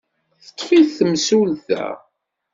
Teḍḍef-it temsulta.